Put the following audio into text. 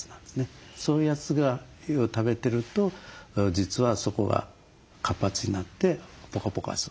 そういうやつを食べてると実はそこが活発になってポカポカする。